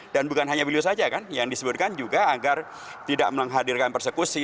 dan bukan hanya beliau saja kan yang disebutkan juga agar tidak menghadirkan persekusi